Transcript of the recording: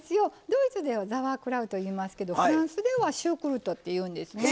ドイツでは「ザワークラウト」いいますけどフランスでは「シュークルート」っていうんですね。